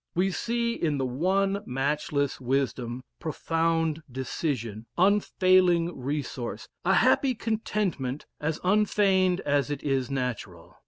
We see in the one matchless wisdom profound decision unfailing resource a happy contentment as unfeigned as it is natural.